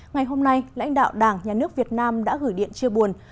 ngày hôm nay lãnh đạo đảng nhà nước việt nam đã gửi điện chia buồn